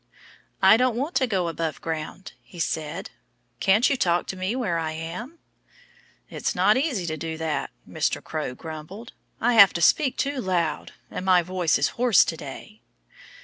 "I don't want to go above ground," he said. "Can't you talk to me, where I am?" "It's not easy to do that," Mr. Crow grumbled. "I have to speak too loud; and my voice is hoarse to day."